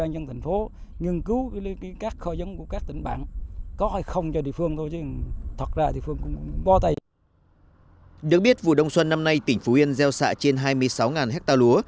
được biết vụ đông xuân năm nay tỉnh phú yên gieo xạ trên hai mươi sáu hectare lúa